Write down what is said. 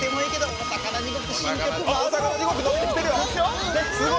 「おさかな地獄」伸びてきてるよ！